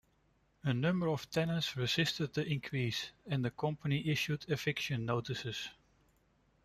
A number of tenants resisted the increase, and the company issued eviction notices.